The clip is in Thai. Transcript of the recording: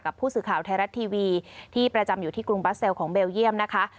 ผู้สื่อข่าวไทยรัฐทีวีที่ประจำอยู่ที่กรุงบัสเซลของเบลเยี่ยมนะคะ